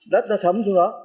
đất nó thấm xuống đó